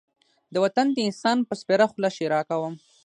د وطن د انسان په سپېره خوله ښېرا کوم.